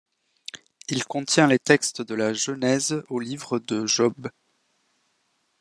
Il contient les textes de la Genèse au livre de Job.